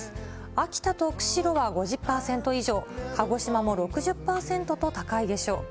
秋田と釧路は５０％以上、鹿児島も６０％と高いでしょう。